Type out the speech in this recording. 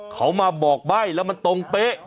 เขามาบอกใบ้แล้วมันตรงเป๊ะ